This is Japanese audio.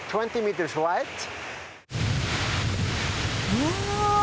うわ！